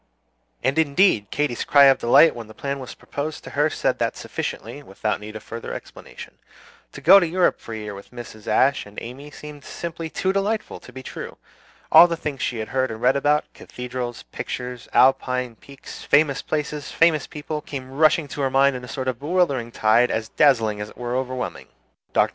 And indeed Katy's cry of delight when the plan was proposed to her said that sufficiently, without need of further explanation. To go to Europe for a year with Mrs. Ashe and Amy seemed simply too delightful to be true. All the things she had heard about and read about cathedrals, pictures, Alpine peaks, famous places, famous people came rushing into her mind in a sort of bewildering tide as dazzling as it was overwhelming. Dr.